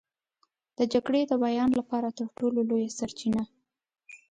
د جګړې د بیان لپاره تر ټولو لویه سرچینه.